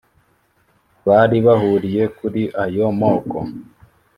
bari bahuriye kuri ayo moko